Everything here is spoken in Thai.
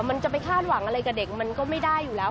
มันจะไปคาดหวังอะไรกับเด็กมันก็ไม่ได้อยู่แล้ว